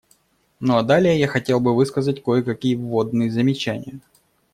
Ну а далее я хотел бы высказать кое-какие вводные замечания.